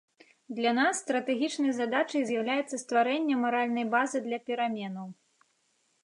Для нас стратэгічнай задачай з'яўляецца стварэнне маральнай базы для пераменаў.